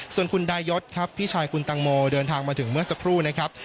ส่วนคุณดายศครับพี่ชายคุณตังโมเดินทางมาถึงเมื่อสักครู่นะครับ